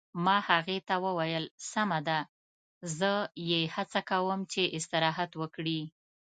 ما هغې ته وویل: سمه ده، زه یې هڅه کوم چې استراحت وکړي.